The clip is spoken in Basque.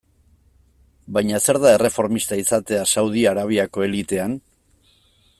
Baina zer da erreformista izatea Saudi Arabiako elitean?